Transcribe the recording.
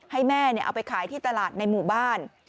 ให้แม่เอาไปขายที่ตลาดในหมู่บ้าน